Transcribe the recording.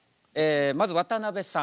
まず渡辺さん。